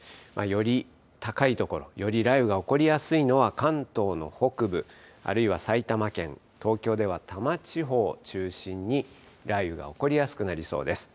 より高い所、より雷雨が起こりやすいのは関東の北部あるいは埼玉県、東京では多摩地方を中心に、雷雨が起こりやすくなりそうです。